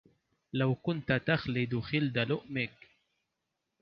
لو كنت تخلد خلد لؤمك